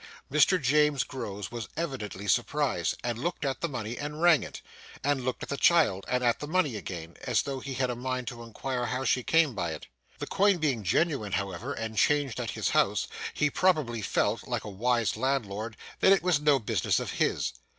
Mr James Groves was evidently surprised, and looked at the money, and rang it, and looked at the child, and at the money again, as though he had a mind to inquire how she came by it. The coin being genuine, however, and changed at his house, he probably felt, like a wise landlord, that it was no business of his.